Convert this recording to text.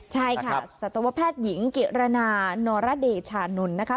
ใช่ค่ะสัตวแพทย์หญิงกิรณานอรเดชานนท์นะคะ